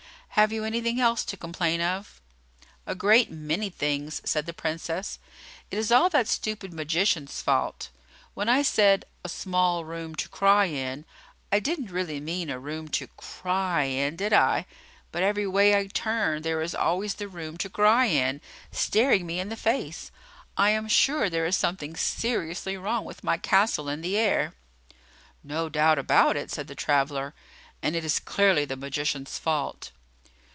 Have you anything else to complain of?" "A great many things," said the Princess. "It is all that stupid magician's fault. When I said, 'a small room to cry in,' I did n't really mean a room to cry in, did I? But every way I turn, there is always the room to cry in, staring me in the face! I am sure there is something seriously wrong with my castle in the air." "No doubt about it," said the traveller; "and it is clearly the magician's fault."